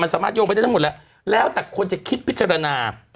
สามารถโยงไปได้ทั้งหมดแล้วแล้วแต่คนจะคิดพิจารณา